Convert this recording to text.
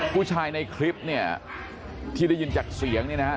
ในคลิปเนี่ยที่ได้ยินจากเสียงเนี่ยนะฮะ